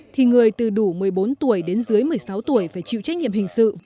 thì người từ đủ một mươi bốn tuổi đến dưới một mươi sáu tuổi phải chịu trách nhiệm hình sự